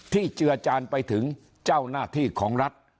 เจือจานไปถึงเจ้าหน้าที่ของรัฐ